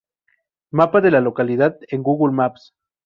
Mapa de la localidad en Google Maps.